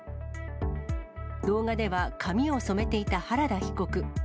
動画では髪を染めていた原田被告。